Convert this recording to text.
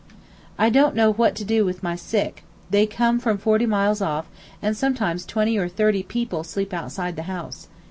I don't know what to do with my sick; they come from forty miles off, and sometimes twenty or thirty people sleep outside the house.